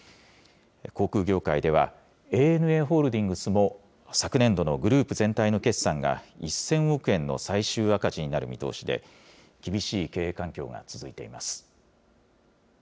航空業界では、ＡＮＡホールディングスも昨年度のグループ全体の決算が１０００億円の最終赤字になる見通しで、厳しい経営環境が続いています。